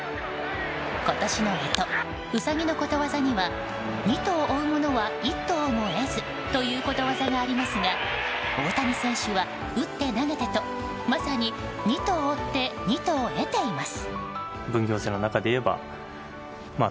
今年の干支うさぎのことわざには二兎を追う者は一兎をも得ずということわざがありますが大谷選手は、打って投げてとまさに二兎を追って二兎を得ています。